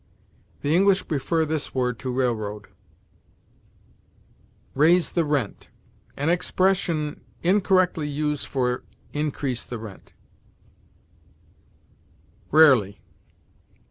The English prefer this word to rail_road_. RAISE THE RENT. An expression incorrectly used for increase the rent. RARELY.